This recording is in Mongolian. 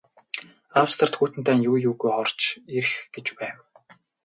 Австрид Хүйтэн дайн юу юугүй орж ирэх гэж байв.